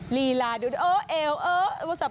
รีลาดูเอ้าเอวเอ้า